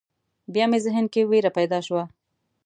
بیا مې ذهن کې وېره پیدا شوه.